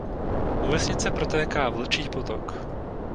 U vesnice protéká Vlčí potok.